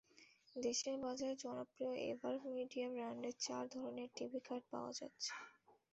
দেশের বাজারে জনপ্রিয় এভারমিডিয়ার ব্র্যান্ডের চার ধরনের টিভি কার্ড পাওয়া যাচ্ছে।